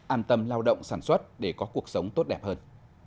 an tâm lao động sản xuất để có cuộc sống tốt đẹp hơn